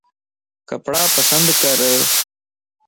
ڪپڙا پسند ڪر